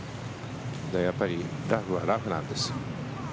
やっぱりラフはラフなんですよ。